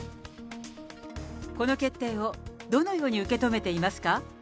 この決定をどのように受け止めていますか？